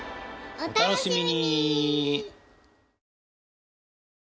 お楽しみに！